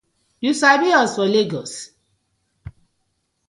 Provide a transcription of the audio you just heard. Yu sabi we for Legos?